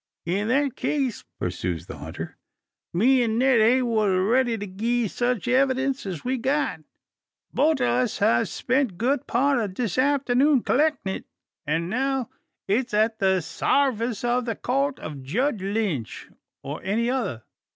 "In that case," pursues the hunter, "me an' Ned Heywood are ready to gie sech evidince as we've got. Both o' us has spent good part o' this arternoon collectin' it; an' now it's at the sarvice o' the court o' Judge Lynch, or any other."